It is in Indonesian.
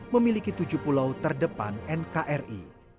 memiliki tujuh pulau terdepan nkri